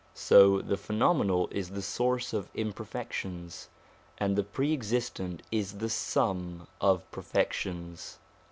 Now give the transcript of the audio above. So the phenomenal is the source of imperfections, and the Pre existent is the sum of perfec tions.